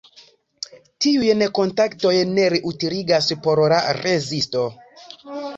Tiujn kontaktojn li utiligis por la rezisto.